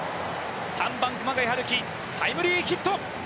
３番熊谷陽輝、タイムリーヒット！